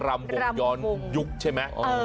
รำวงย้อนยุคใช่ไหม